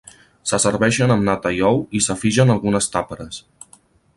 Se serveixen amb nata i ou i s'afigen algunes tàperes.